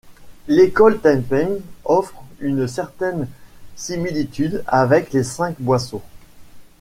L’école Taiping offre une certaine similitude avec les Cinq boisseaux.